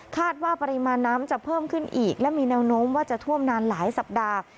ว่าปริมาณน้ำจะเพิ่มขึ้นอีกและมีแนวโน้มว่าจะท่วมนานหลายสัปดาห์